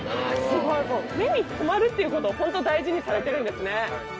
すごいもう目にとまるっていう事をほんと大事にされてるんですね。